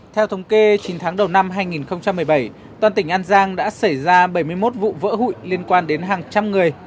theo thống kê chín tháng đầu năm hai nghìn một mươi bảy toàn tỉnh an giang đã xảy ra bảy mươi một vụ vỡ hụi liên quan đến hàng trăm người